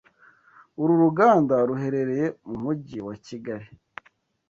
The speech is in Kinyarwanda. Uru ruganda ruherereye mu Mujyi wa Kigali